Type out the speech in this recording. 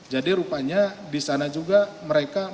jadi rupanya di sana juga mereka